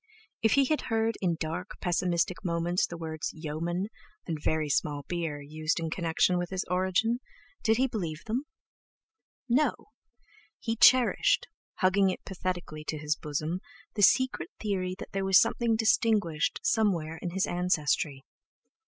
If he had heard in dark, pessimistic moments the words "yeomen" and "very small beer" used in connection with his origin, did he believe them? No! he cherished, hugging it pathetically to his bosom the secret theory that there was something distinguished somewhere in his ancestry.